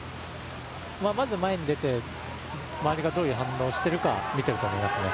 まず前に出て、周りがどういう反応をしているか見ていると思いますね。